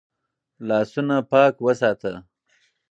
لاسونه پاک وساته.